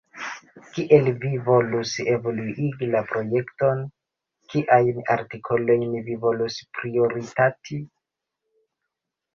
Kiel vi volus evoluigi la projekton, kiajn artikolojn vi volus prioritati?